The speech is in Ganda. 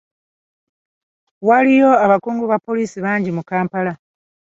Waliyo abakungu ba poliisi bangi mu Kampala.